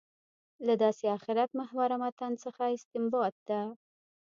له داسې آخرت محوره متن څخه استنباط ده.